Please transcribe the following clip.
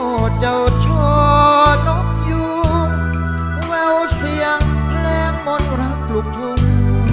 โอ้เจ้าชัวร์นมอยู่แววเสียงแรงหมดรักลูกทุกข์